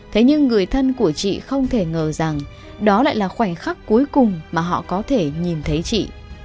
thế nhưng người thân của chị không thể ngờ rằng đó lại là khoảnh khắc cuối cùng mà họ có thể nhìn thấy chị